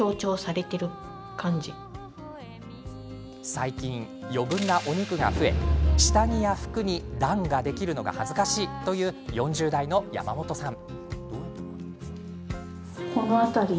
最近、余分なお肉が増え下着や服に段ができるのが恥ずかしいという４０代の山本さん。